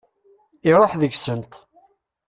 Iruḥ deg-sent.